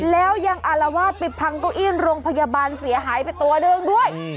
แล้วยังอารวาสไปพังเก้าอี้โรงพยาบาลเสียหายไปตัวหนึ่งด้วย